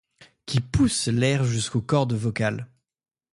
Qui poussent l'air jusqu'aux cordes vocales.